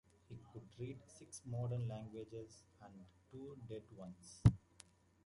He could read six modern languages and two dead ones.